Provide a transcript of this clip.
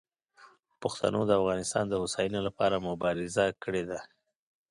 پښتنو د افغانستان د هوساینې لپاره مبارزه کړې ده.